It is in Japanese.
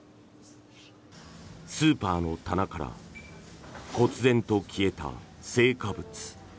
スーパーの棚からこつぜんと消えた青果物。